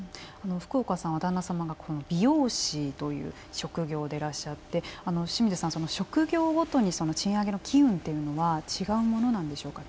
福岡さんは旦那様が美容師という職業でらっしゃって清水さん職業ごとに賃上げの機運というのは違うものなんでしょうか？